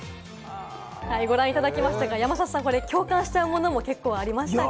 ご覧いただきましたが、山里さん、共感しちゃうもの結構ありましたか？